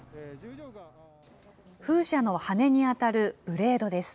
風車の羽根に当たるブレードです。